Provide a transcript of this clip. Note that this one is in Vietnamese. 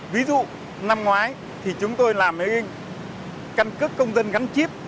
ví dụ năm ngoái thì chúng tôi làm cái căn cước công dân gắn chip